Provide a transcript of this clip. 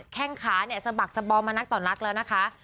แข้งขาเนี่ยสะบักสบอมมานักต่อนักแล้วนะคะ